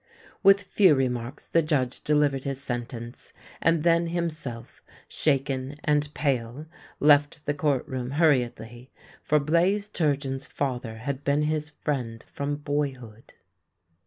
With few remarks the judge delivered his sentence, and then himself, shaken and pale, left the court room hurriedly, for Blaze Turgeon's father had been his friend from boyhood.